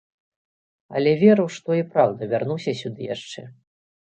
Але веру, што і праўда вярнуся сюды яшчэ.